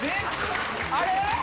あれ？